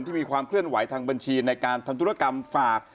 มีความเคลื่อนไหวทางบัญชีในการทำธุรกรรมฝาก